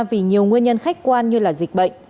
vì nhiều nguyên nhân khách quan như dịch bệnh